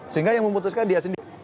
sehingga yang memutuskan dia sendiri